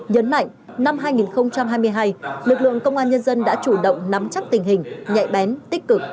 nhấn mạnh năm hai nghìn hai mươi hai lực lượng công an nhân dân đã chủ động nắm chắc tình hình nhạy bén tích cực